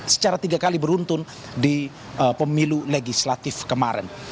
secara tiga kali beruntun di pemilu legislatif kemarin